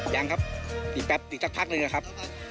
ยังครับอีกแปปอีกตระกรักท์ดูเลยครับ